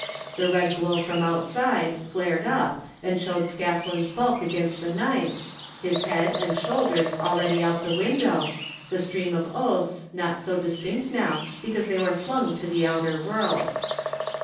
The red glow from outside flared up and showed Scathlin's bulk against the night, his head and shoulders already out the window, the stream of oaths not so distinct now because they were flung to the outdoor world.